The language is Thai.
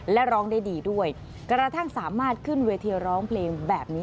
และร้องได้ดีด้วยกระทั่งสามารถขึ้นเวทีร้องเพลงแบบนี้